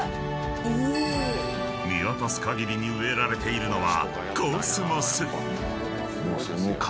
［見渡すかぎりに植えられているのは］